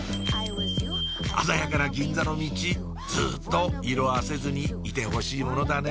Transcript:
鮮やかな銀座のミチずっと色あせずにいてほしいものだね